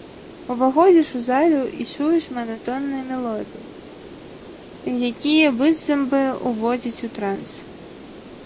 Уваходзіш у залю і чуеш манатонныя мелодыі, якія, быццам бы, уводзяць у транс.